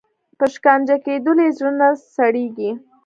په شکنجه کېدلو یې زړه نه سړیږي.